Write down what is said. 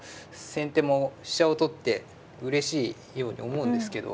先手も飛車を取ってうれしいように思うんですけど。